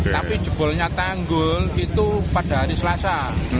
tapi jebolnya tanggul itu pada hari selasa